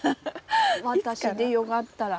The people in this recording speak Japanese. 私でよかったら。